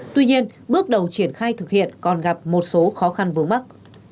tuy nhiên bước đầu triển khai thực hiện còn gặp một số khó khăn vướng mắt